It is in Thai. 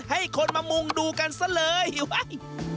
ให้คนมามูงดูกันเลย